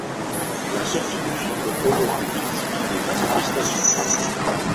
La sortie du film provoque des critiques et des manifestations.